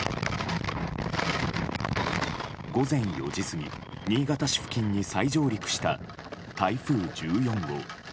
午前４時過ぎ、新潟市付近に再上陸した台風１４号。